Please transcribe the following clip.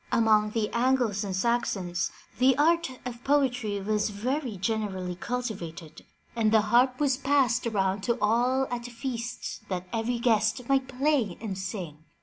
Among the Angles and Saxons the art of poetry was very generally cultivated, and the harp was passed around to all at feasts that every guest might play and sing.